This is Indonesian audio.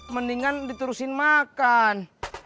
mendingan diturusin makan